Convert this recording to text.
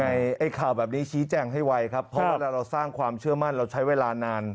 ไอ้ข่าวแบบนี้ชี้แจงให้ไวครับเพราะเวลาเราสร้างความเชื่อมั่นเราใช้เวลานาน